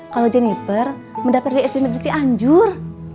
kalau jennifer mendapat dst negeri cianjur